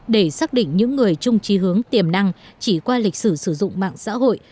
để xác định những người chung trí hướng tiềm năng chỉ qua lịch sử sử dụng mạng xã hội